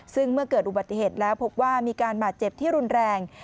ซึ่งเมื่อเกิดอุบัติเหตุแล้วพบว่ามีการบาดเจ็บที่รุนแรง